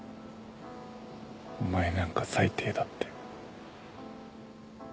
「お前なんか最低だ」って。